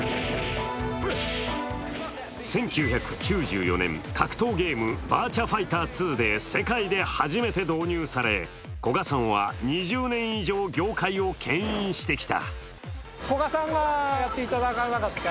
１９９４年、格闘ゲーム「バーチャファイター２」で世界で初めて導入され古賀さんは２０年以上、業界をけん引してきた。